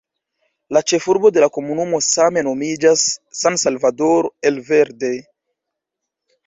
La ĉefurbo de la komunumo same nomiĝas "San Salvador el Verde".